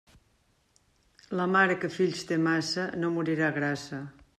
La mare que fills té massa, no morirà grassa.